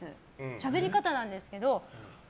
しゃべり方なんですけど。